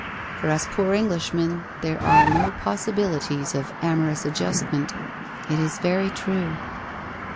For us poor Englishmen, there are no possibilities of amorous adjustment '' It is very true.'